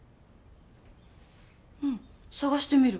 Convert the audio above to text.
うん探してみる。